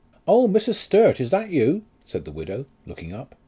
"Oh, Mrs. Sturt, is that you?" said the widow, looking up.